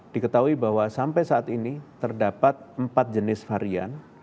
diketahui bahwa sampai saat ini terdapat empat jenis varian